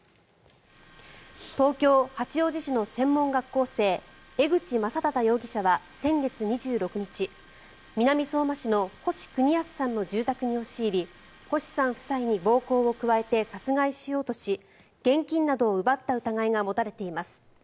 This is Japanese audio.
東京・八王子市の専門学校生江口将匡容疑者は先月２６日南相馬市の星邦康さんの住宅に押し入り星さん夫妻に暴行を加えて殺害しようとし現金などを奪った疑いが持たれています。